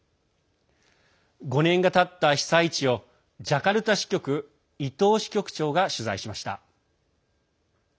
５年がたった被災地をジャカルタ支局伊藤支局長が取材しました。